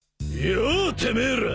ようてめえら。